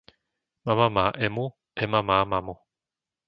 Mama má Emu, Ema má mamu.